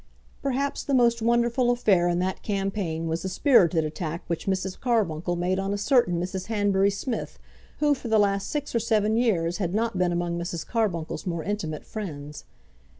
Perhaps the most wonderful affair in that campaign was the spirited attack which Mrs. Carbuncle made on a certain Mrs. Hanbury Smith, who for the last six or seven years had not been among Mrs. Carbuncle's more intimate friends.